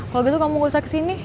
kalau gitu kamu gak usah kesini